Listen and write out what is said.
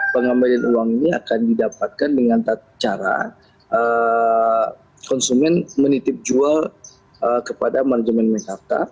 pengembalian uang ini akan didapatkan dengan cara konsumen menitip jual kepada manajemen mekarta